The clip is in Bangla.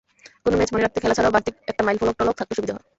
কোনো ম্যাচ মনে রাখতে খেলা ছাড়াও বাড়তি একটা মাইলফলক-টলক থাকলে সুবিধা হয়।